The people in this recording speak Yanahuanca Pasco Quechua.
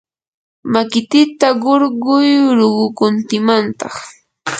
makikita qurquy ruqukuntimantaq.